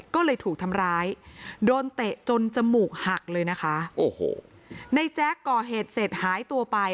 ก็เลยถูกทำร้ายโดนเตะจนจมูกหักเลยนะคะโอ้โหในแจ๊กก่อเหตุเสร็จหายตัวไป